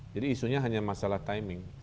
jadi isunya hanya masalah timing